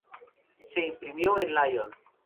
Se imprimió en Lyon.